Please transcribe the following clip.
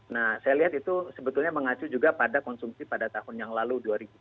nah saya lihat itu sebetulnya mengacu juga pada konsumsi pada tahun yang lalu dua ribu dua puluh